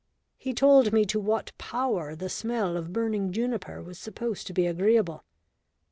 He told me to what Power the smell of burning juniper was supposed to be agreeable.